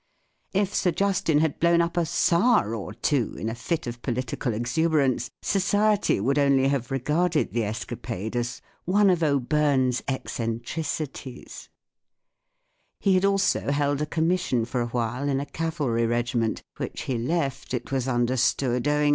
If Sir Justin had blown up a Czar or two in a fit of political exuberance, society would only have regarded the escapade as " one of O 7 Byrne's eccentricities*" He had also held a commission for a w'hile in a cavalry regi¬ ment, w r hich he left* it was understood, owing UNIVERSITY 6F MICHIGAN THE GREAT RUBY ROBBERY.